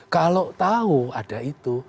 kalau tau ada itu